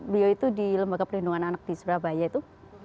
beliau itu di lembaga perlindungan anak di surabaya itu